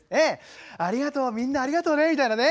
「ありがとうみんなありがとうね」みたいなね。